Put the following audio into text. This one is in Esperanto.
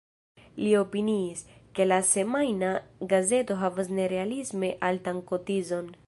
Li opiniis, ke la semajna gazeto havas nerealisme altan kotizon.